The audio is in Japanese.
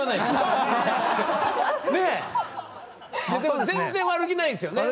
でも全然悪気ないんですよね？